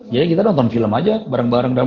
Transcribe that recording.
jadi kita nonton film aja bareng bareng